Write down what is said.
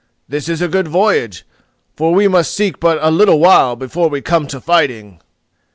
This is a good voyage, for we must seek but a little while before we come to fighting."